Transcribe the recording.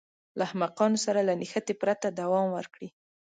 له احمقانو سره له نښتې پرته دوام ورکړي.